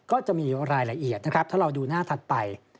ก็จะมีรายละเอียดนะครับถ้าเราดูหน้าถัดไป